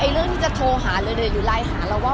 เรื่องที่จะโทรหาเลยเลยอยู่ไลน์หาเราว่า